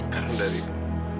karena dari itu